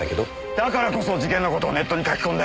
だからこそ事件の事をネットに書き込んで。